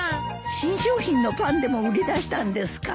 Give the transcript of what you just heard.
新商品のパンでも売り出したんですか？